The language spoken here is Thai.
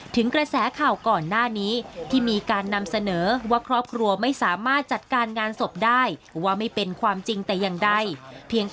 ถึงกระแสข่าก่อนหน้านี้